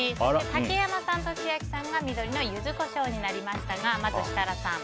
竹山さんと千秋さんが緑のユズコショウになりましたがまず、設楽さん。